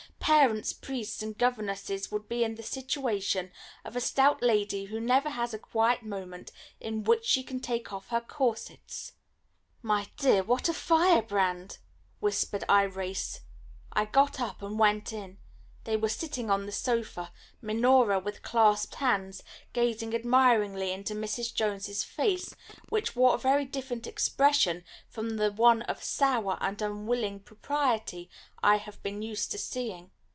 Parents, priests, and governesses would be in the situation of a stout lady who never has a quiet moment in which she can take off her corsets." "My dear, what a firebrand!" whispered Irais. I got up and went in. They were sitting on the sofa, Minora with clasped hands, gazing admiringly into Miss Jones's face, which wore a very different expression from the one of sour and unwilling propriety I have been used to seeing.